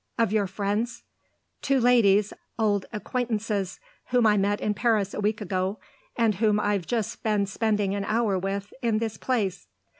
"Of your friends?" "Two ladies old acquaintances whom I met in Paris a week ago and whom I've just been spending an hour with in this place."